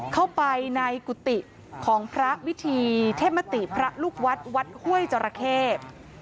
เข้าไปในกุฏิของพระวิธีเทพมติพระลูกวัดวัดห้วยจราเข้